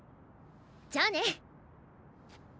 じゃあね。